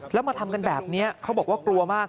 แล้วมาทำกันแบบนี้เขาบอกว่ากลัวมาก